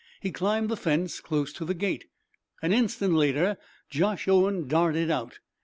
He climbed the fence, close to the gate. An instant later Josh Owen darted out.